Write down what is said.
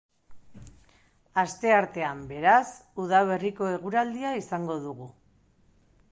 Asteartean, beraz, udaberriko eguraldia izango dugu.